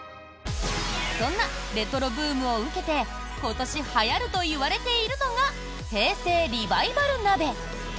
そんなレトロブームを受けて今年、はやるといわれているのが平成リバイバル鍋。